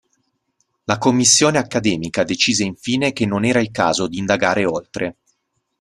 La commissione accademica decise infine che non era il caso di indagare oltre.